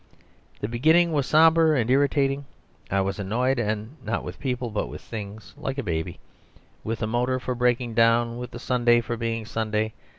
The beginning was sombre and irritating. I was annoyed, not with people, but with things, like a baby; with the motor for breaking down and with Sunday for being Sunday.